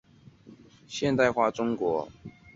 古全力支持孙逸仙的革命理念要建立现代化中国。